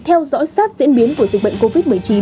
theo dõi sát diễn biến của dịch bệnh covid một mươi chín